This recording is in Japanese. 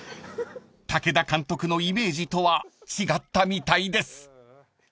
［武田監督のイメージとは違ったみたいです］